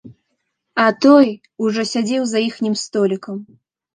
А той ужо сядзеў за іхнім столікам.